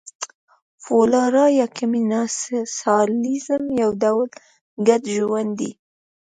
فلورا یا کمېنسالیزم یو ډول ګډ ژوند دی.